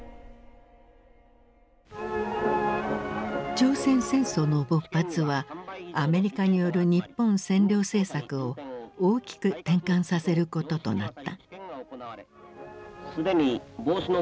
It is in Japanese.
朝鮮戦争の勃発はアメリカによる日本占領政策を大きく転換させることとなった。